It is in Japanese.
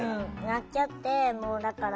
なっちゃってもうだから